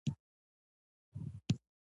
د لوبیا پوستکی د معدې لپاره لرې کړئ